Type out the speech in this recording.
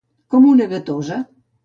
Com una gatosa.